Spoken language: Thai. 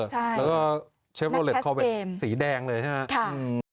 แล้วก็เชฟโรเลสต์สีแดงเลยใช่ไหมครับ